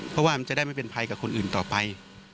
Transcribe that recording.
เพราะว่ามันจะได้ไม่เป็นภัยกับคนอื่นต่อไป